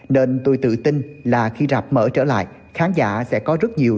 nên tôi tự tin là khi rạp mở trở lại khán giả sẽ có rất nhiều